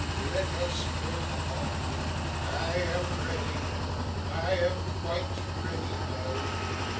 Let us go on. I am ready. I am quite ready, Nell.